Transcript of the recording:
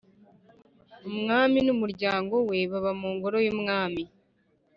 umwami n'umuryango we baba mu ngoro y'umwami.